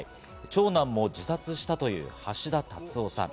長男も自殺したという橋田達夫さん。